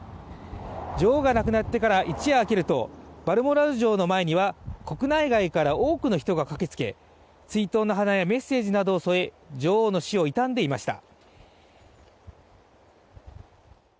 女王が亡くなってから、一夜明けるとバルモラル城の前には国内外から多くの人が駆けつけ追悼の花やメッセージなどを添え女王の死を悼んでいました。